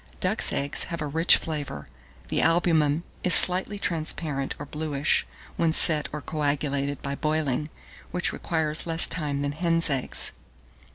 Duck's eggs have a rich flavour; the albumen is slightly transparent, or bluish, when set or coagulated by boiling, which requires less time than hen's eggs.